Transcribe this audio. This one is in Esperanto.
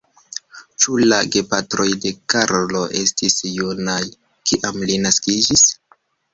Ĉu la gepatroj de Karlo estis junaj, kiam li naskiĝis?